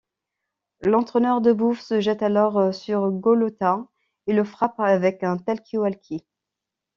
L'entraîneur de Bowe se jette alors sur Golota et le frappe avec un talkie-walkie.